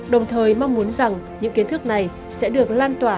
đồng thời mong muốn rằng những kiến thức này sẽ được lan tỏa